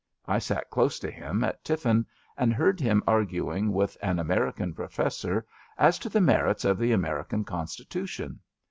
I sat close to him at tiffin and heard him arguing with an American professor as to the merits of the American Constitution.